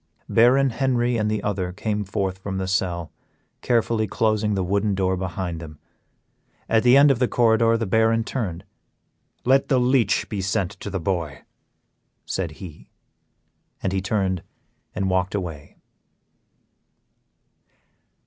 Baron Henry and the other came forth from the cell, carefully closing the wooden door behind them. At the end of the corridor the Baron turned, "Let the leech be sent to the boy," said he. And then he turned and walked away.